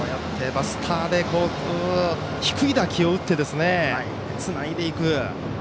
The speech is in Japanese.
バスターで低い打球を打ってつないでいく。